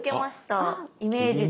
イメージで。